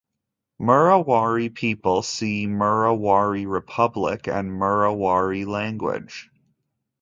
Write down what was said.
Murrawarri people - see Murrawarri Republic and Murawari language.